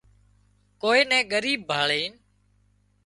ڪوئي نين ڳريٻ ڀاۯينَ